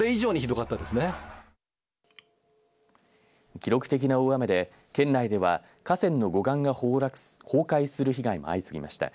記録的な大雨で県内では河川の護岸が崩壊する被害も相次ぎました。